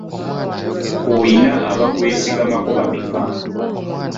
Oyina abakwesigamako bameka?